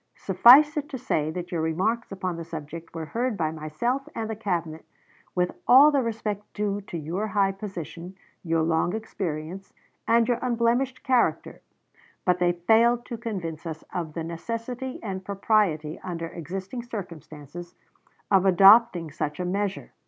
Suffice it to say that your remarks upon the subject were heard by myself and the Cabinet, with all the respect due to your high position, your long experience, and your unblemished character; but they failed to convince us of the necessity and propriety, under existing circumstances, of adopting such a measure.